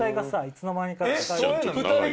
いつの間にか。